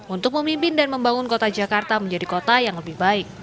untuk memimpin dan membangun kota jakarta menjadi kota yang lebih baik